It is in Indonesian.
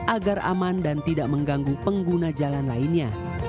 agar aman dan tidak mengganggu pengguna jalan lainnya